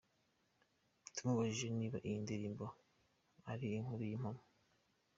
Tumubajije niba iyi ndirimbo ari inkuru yimpamo.